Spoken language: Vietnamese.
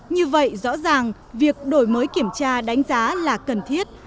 như vậy rõ ràng việc đổi mới kiểm tra đánh giá là cần thiết